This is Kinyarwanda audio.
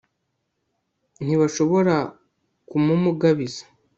ntibashobora kumumugabiza